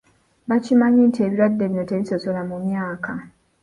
Bakimanyi nti ebirwadde bino tebisosola mu myaka.